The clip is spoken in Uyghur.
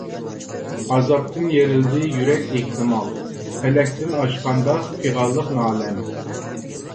ئازابتىن يېرىلدى يۈرەك ئېھتىمال، پەلەكتىن ئاشقاندا پىغانلىق نالەم.